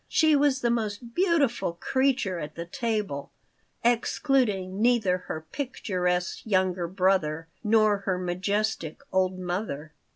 She was the most beautiful creature at the table, excluding neither her picturesque younger brother nor her majestic old mother.